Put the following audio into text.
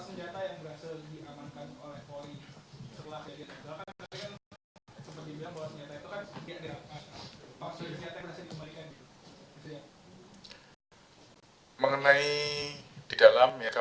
kan seperti bilang bahwa senjata itu kan tidak ada